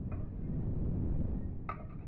এক ছেলের মা, ভয়ে কাঁপে গা।